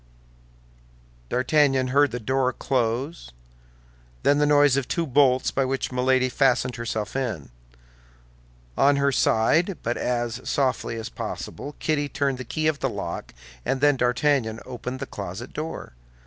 D'Artagnan heard the door close; then the noise of two bolts by which Milady fastened herself in. On her side, but as softly as possible, Kitty turned the key of the lock, and then D'Artagnan opened the closet door.